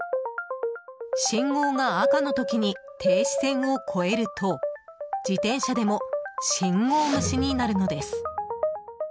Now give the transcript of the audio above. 信号が赤の時に停止線を越えると自転車でも信号無視になるのです。